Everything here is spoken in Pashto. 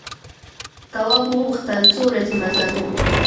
تواب وپوښتل څو ورځې مزل و.